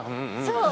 そう。